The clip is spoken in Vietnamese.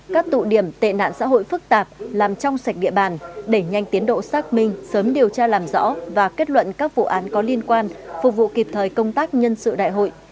các tụ điểm tệ nạn xã hội phức tạp làm trong sạch địa bàn đẩy nhanh tiến độ xác minh sớm điều tra làm rõ và kết luận các vụ án có liên quan phục vụ kịp thời công tác nhân sự đại hội